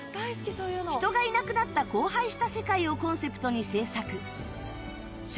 人がいなくなった荒廃した世界をコンセプトに制作